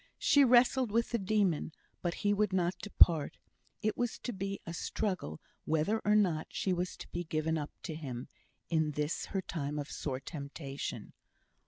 She wrestled with the demon, but he would not depart; it was to be a struggle whether or not she was to be given up to him, in this her time of sore temptation.